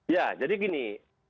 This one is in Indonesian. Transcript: ya jadi gini